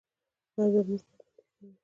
او د لمونځ پابندي کوي